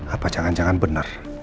apa jangan jangan benar